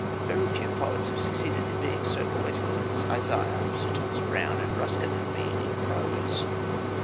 Very few poets have succeeded in being so poetical as Isaiah, Sir Thomas Browne, and Ruskin have been in prose.